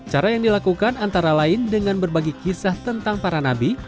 cara yang dilakukan antara lain dengan berbagi kisah tentang para nabi